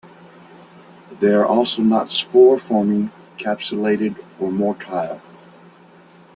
They are also not spore-forming, capsulated, or motile.